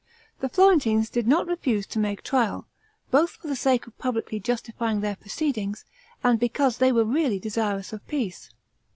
The Florentines did not refuse to make trial, both for the sake of publicly justifying their proceedings, and because they were really desirous of peace.